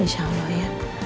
insya allah ya